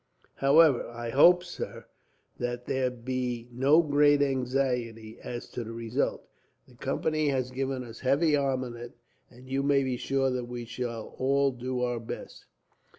"However, I hope, sir, that there need be no great anxiety as to the result. The Company has given us a heavy armament, and you may be sure that we shall all do our best."